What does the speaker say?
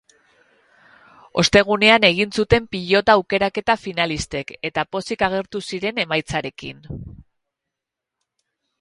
Ostegunean egin zuten pilota aukeraketa finalistek eta pozik agertu ziren emaitzarekin.